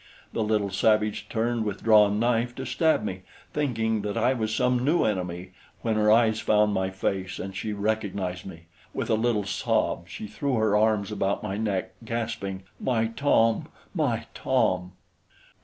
The little savage turned with drawn knife to stab me, thinking that I was some new enemy, when her eyes found my face and she recognized me. With a little sob she threw her arms about my neck, gasping: "My Tom! My Tom!"